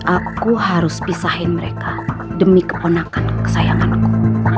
aku harus pisahin mereka demi keponakan kesayanganku